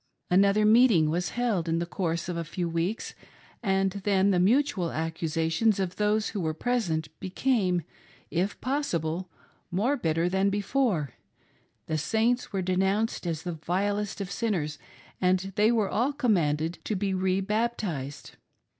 Another meeting was held in the course of a few weeks, and then the mutual accusations of those who were present became, if possible, more bitter than before; the "Saints" were denounced as the vilest of sinners and they were all commanded to be re baptized.